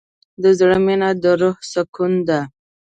د زړه مینه د روح سکون ده.